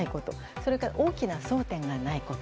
それから、大きな争点がないこと。